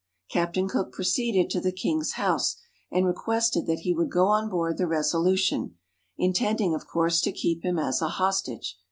Captain Cook proceeded to the king's house, and requested that he would go on board the Resolution, intending, of course, to keep him as a hostage.